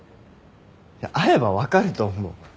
会えば分かると思う。